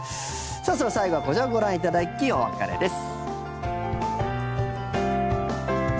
さあ、それでは最後はこちらをご覧いただきお別れです。